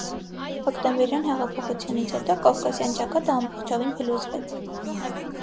Հոկտեմբերյան հեղափոխությունից հետո կովկասյան ճակատը ամբողջովին փլուզվեց։